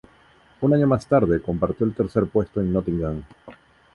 Un año más tarde, compartió el tercer puesto en Nottingham.